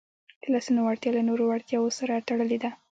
د لاسونو وړتیا له نورو وړتیاوو سره تړلې ده.